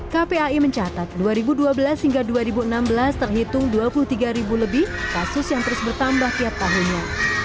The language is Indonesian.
kpai mencatat dua ribu dua belas hingga dua ribu enam belas terhitung dua puluh tiga ribu lebih kasus yang terus bertambah tiap tahunnya